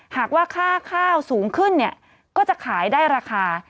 หากว่าค่าข้าวสูงขึ้นเนี่ยก็จะขายได้ราคา